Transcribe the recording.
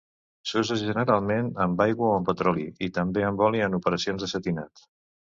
S'usa generalment amb aigua o amb petroli i també amb oli en operacions de setinat.